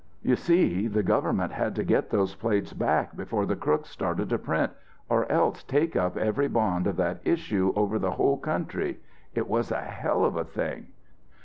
"You see the government had to get those plates back before the crook started to print, or else take up every bond of that issue over the whole country. It was a hell of a thing!